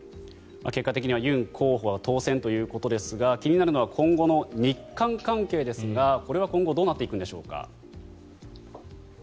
結果的にはユン候補は当選ということですが気になるのは今後の日韓関係ですがこれは今後どうなっていくんでしょうか。